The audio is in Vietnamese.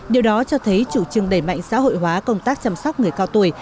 điều đó cho thấy chủ trương đẩy mạnh xã hội hóa công tác chăm sóc người cao tuổi